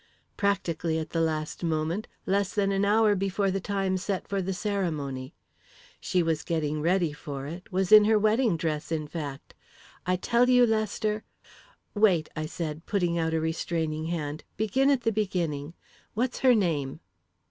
"Practically at the last moment less than an hour before the time set for the ceremony. She was getting ready for it was in her wedding dress, in fact. I tell you, Lester " "Wait," I said, putting out a restraining hand. "Begin at the beginning. What's her name?"